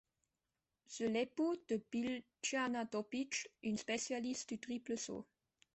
C'est l'époux de Biljana Topić, une spécialiste du triple saut.